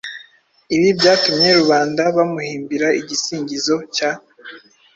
Ibi byatumye rubanda bamuhimbira igisingizo cya”